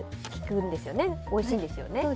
おいしいんですよね。